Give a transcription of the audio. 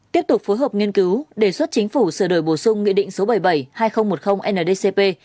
tiếp tục phối hợp nghiên cứu đề xuất chính phủ sửa đổi bổ sung nghị định số bảy mươi bảy hai nghìn một mươi ndcp